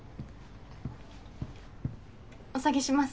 ・・お下げします。